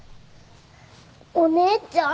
お姉ちゃん？